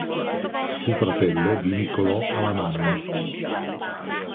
Fu fratello di Niccolò Alamanni.